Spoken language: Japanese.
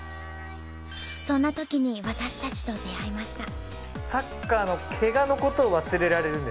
そんな時に私たちと出会いました。